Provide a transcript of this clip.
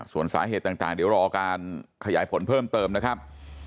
ส่วนสาเหตุต่างเดี๋ยวรอการขยายผลเพิ่มเติมนะครับ